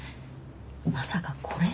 まさかこれ？